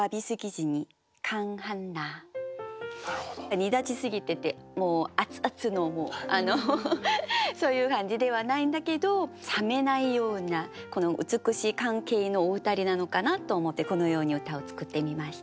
煮立ち過ぎててもう熱々のそういう感じではないんだけど冷めないようなこの美しい関係のお二人なのかなと思ってこのように歌を作ってみました。